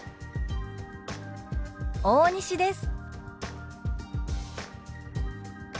大西です」。